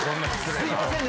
すいませんね